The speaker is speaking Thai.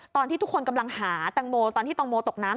ตอนที่ทุกคนกำลังหาแตงโมตอนที่ตังโมตกน้ำ